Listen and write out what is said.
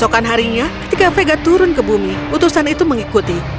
ketika dia turun ke bumi utusan itu mengikuti